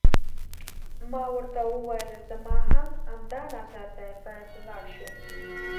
ما ورته وویل: زما هم همدا نظر دی، باید ولاړ شو.